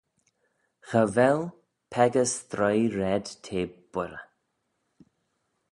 Cha vel peccah stroie raad t'eh boirey.